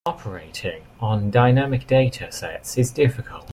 Operating on dynamic data sets is difficult.